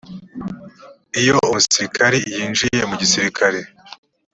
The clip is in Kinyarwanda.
iyo umusirikare yinjiye mu gisirikare